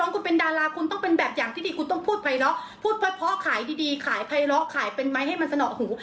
ขายดีขายไฟล็อกขายเป็นไม้ให้มันสนอดของกู